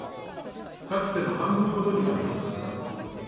かつての半分ほどにまで減りました。